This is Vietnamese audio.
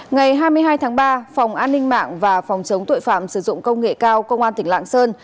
ngày hai mươi hai tháng ba phòng an ninh mạng và phòng chống tội phạm sử dụng công nghệ cao công an tỉnh lạng sơn